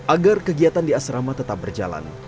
agar kegiatan di asrama tetap berjalan